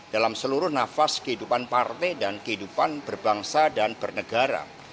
dalam seluruh nafas kehidupan partai dan kehidupan berbangsa dan bernegara